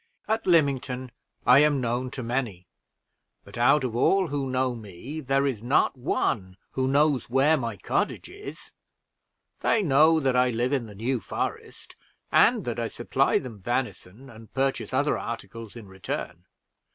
At Lymington I am known to many; but out of all who know me, there is not one who knows where my cottage is; they know that I live in the New Forest, and that I supply them venison, and purchase other articles in return.